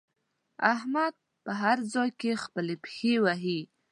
احمد په هر ځای کې خپلې پښې وهي.